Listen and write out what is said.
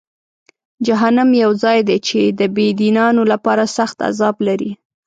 جهنم یو ځای دی چې د بېدینانو لپاره سخت عذاب لري.